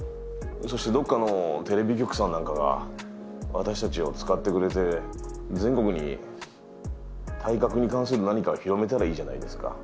そしてどこかのテレビ局さんなんかが、私たちを使ってくれて、全国に、体格に関する何かを広めたらいいじゃないですか。